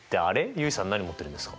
結衣さん何持ってるんですか？